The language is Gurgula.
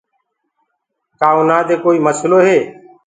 کآ اُنآ دي ڪوئي نسلو هي۔